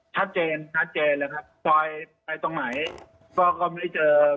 ชัดเจนชัดเจนเลยครับซอยไปตรงไหนก็ก็ไม่เจอ